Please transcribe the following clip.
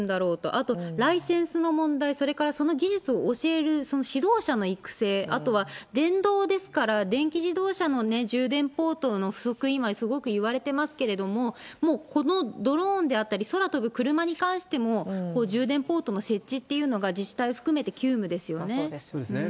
あとライセンスの問題、それから、その技術を教える指導者の育成、あとは、電動ですから、電気自動車の充電ポートの不足、今すごくいわれていますけれども、もうこのドローンであったり空飛ぶクルマに関しても、充電ポートの設置っていうのが、そうですね。